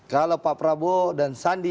kalau pak prabowo dan sandi